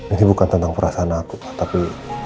ini bukan tentang perasaan aku tapi